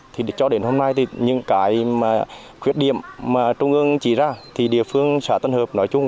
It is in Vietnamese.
thì cho đến hôm nay thì những cái khuyết điểm mà trung ương chỉ ra thì địa phương xã tân hợp nói chung